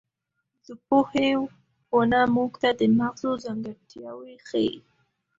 د پوهې ونه موږ ته د مغزو ځانګړتیاوې ښيي.